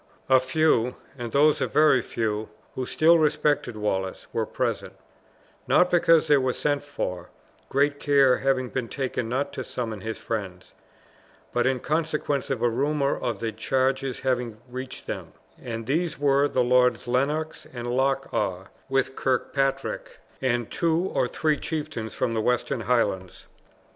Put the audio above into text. A few, and those a very few, who still respected Wallace, were present; not because they were sent for (great care having been taken not to summon his friends), but in consequence of a rumor of the charge having reached them: and these were, the Lords Lennox and Loch awe, with Kirkpatrick, and two or three chieftains from the western Highlands.